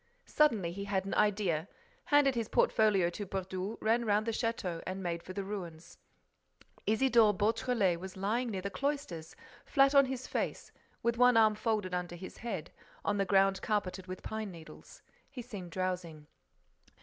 Suddenly, he had an idea, handed his portfolio to Brédoux, ran round the château and made for the ruins. Isidore Beautrelet was lying near the cloisters, flat on his face, with one arm folded under his head, on the ground carpeted with pine needles. He seemed drowsing.